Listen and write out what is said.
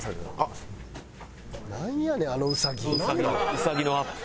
ウサギのアップ。